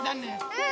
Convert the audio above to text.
うん！